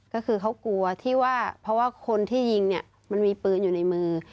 ก็คือเขากลัวที่ว่าเพราะว่าคนที่ยิงเนี่ยมันมีปืนอยู่ในมือ